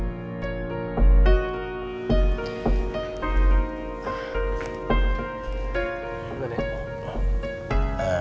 gak ada yang mau